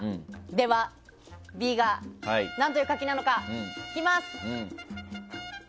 では、Ｂが何という柿なのかいきます！